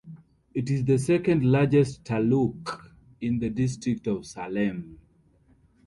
It is the second largest taluk in the district of Salem.